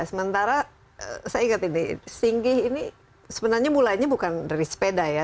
sementara saya ingat ini singgih ini sebenarnya mulainya bukan dari sepeda ya